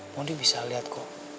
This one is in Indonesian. mondi bisa liat kok